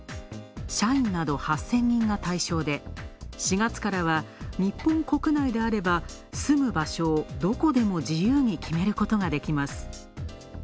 社員など８０００人が対象で、４月からは、日本国内であれば、住む場所をどこでも自由に決めることができます。